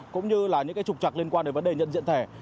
cũng như là những trục trặc liên quan đến vấn đề nhận diện thẻ